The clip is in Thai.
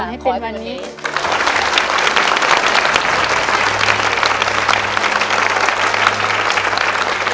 ขอให้เป็นวันนี้